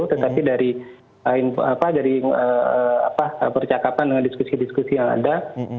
tetapi dari percakapan dengan diskusi diskusi yang ada